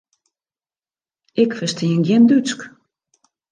Ik ferstean gjin Dútsk.